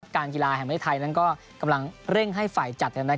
การกีฬาแห่งประเทศไทยนั้นก็กำลังเร่งให้ฝ่ายจัด